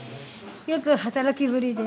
よく働きぶりで。